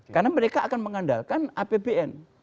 karena mereka akan mengandalkan apbn